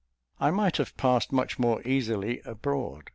I might have passed much more easily abroad.